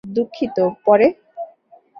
দুঃখিত, পরে।